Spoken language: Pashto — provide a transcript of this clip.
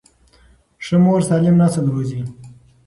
ښه مور سالم نسل روزي.